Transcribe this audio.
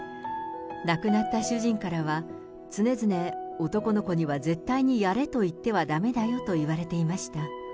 亡くなった主人からは、常々、男の子には絶対にやれと言ってはだめだよと言われていました。